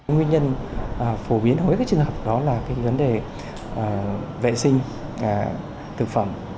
nguyên nhân phổ biến hối các trường hợp đó là vấn đề vệ sinh thực phẩm